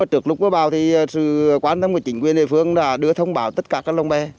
trước lúc bà bào thì sự quan tâm của chính quyền địa phương là đưa thông báo tất cả các lông bè